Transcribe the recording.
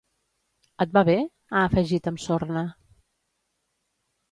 Et va bé?, ha afegit amb sorna.